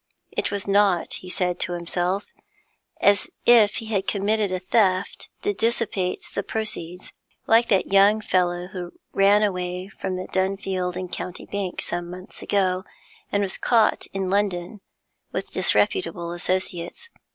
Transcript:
It was not he said to himself as if he had committed a theft to dissipate the proceeds, like that young fellow who ran away from the Dunfield and County Bank some months ago, and was caught in London with disreputable associates.